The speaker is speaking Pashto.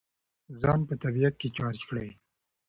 ځان په طبیعت کې چارج کړئ.